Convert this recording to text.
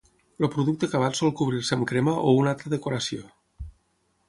El producte acabat sol cobrir-se amb crema o una altra decoració.